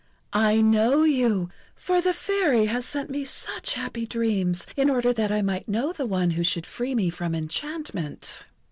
I know you, for the Fairy has sent me such happy dreams in order that I might know the one who should free me from enchantment."